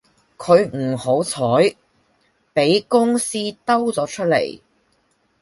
佢唔好彩比公司兜咗出嚟